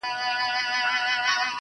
• زه به دي تل په ياد کي وساتمه.